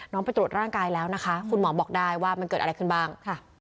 ไปตรวจร่างกายแล้วนะคะคุณหมอบอกได้ว่ามันเกิดอะไรขึ้นบ้าง